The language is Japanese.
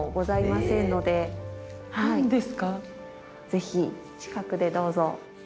ぜひ近くでどうぞ。